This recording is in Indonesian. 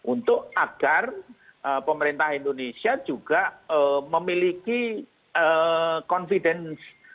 untuk agar pemerintah indonesia juga memiliki confidence